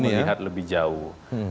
untuk melihat lebih jauh